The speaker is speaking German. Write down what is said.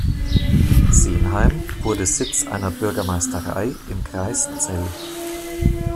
Senheim wurde Sitz einer Bürgermeisterei im Kreis Zell.